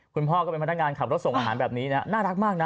ก็เป็นพนักงานขับรถส่งอาหารแบบนี้นะน่ารักมากนะ